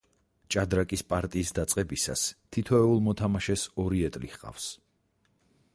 ჭადრაკის პარტიის დაწყებისას თითოეულ მოთამაშეს ორი ეტლი ჰყავს.